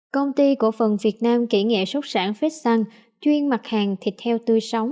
công ty của phần việt nam kỹ nghệ xuất sản phết săn chuyên mặt hàng thịt heo tươi sống